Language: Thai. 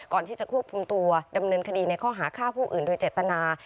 ก่อนที่จะควบคุมตัวดำเนินคดีในข้อหาฆ่าผู้อื่นโดยเจตนา